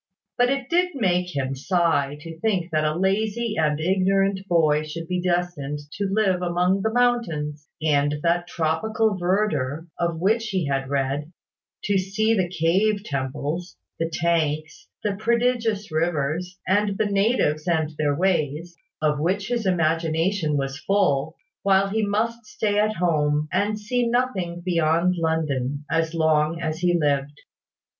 But it did make him sigh to think that a lazy and ignorant boy should be destined to live among those mountains, and that tropical verdure of which he had read, to see the cave temples, the tanks, the prodigious rivers, and the natives and their ways, of which his imagination was full, while he must stay at home, and see nothing beyond London, as long as he lived.